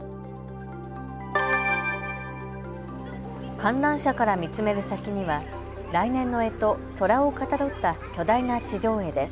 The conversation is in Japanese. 観覧車から見つめる先には来年のえと、とらをかたどった巨大な地上絵です。